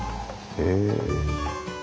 へえ。